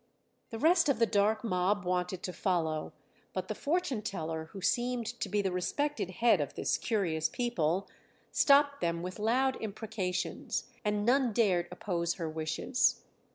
The rest of the dark mob wanted to follow, but the fortune teller, who seemed to be the respected head of this curious people, stopped them with loud imprecations, and none dared oppose her wishes.